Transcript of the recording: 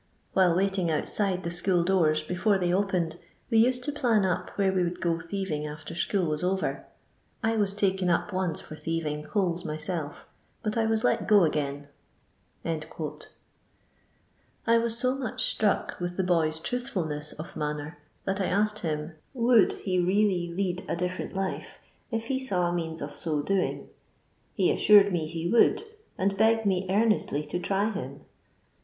While waiting outside the school doors, before they opened, we used to plan up where we would go thieving after school was over. I was taken up once for thieving coals myself, but I was let go again." I was so much struck with the boy's truth fulness of manner, that I asked him, mjuld, he really lead a different life, if he saw a means of so doing] He assured me he would, and begged me earnestly to try him.